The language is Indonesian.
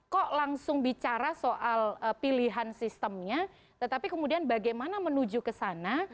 kok langsung bicara soal pilihan sistemnya tetapi kemudian bagaimana menuju ke sana